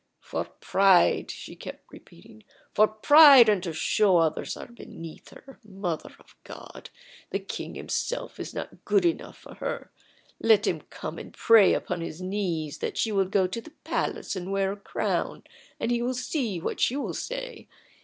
"For pride," she kept repeating; "for pride, and to show that others are beneath her! Mother of God! the king himself is not good enough for her! Let him come and pray upon his knees that she will go to the palace and wear a crown, and he will see what she will say!